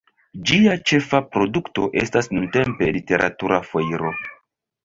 Ĝia ĉefa produkto estas nuntempe "Literatura Foiro".